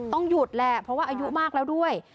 ต้องหยุดแหละเพราะว่าอายุมากแล้วด้วย